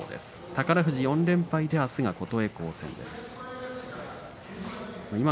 宝富士に、４連敗であすは琴恵光戦です。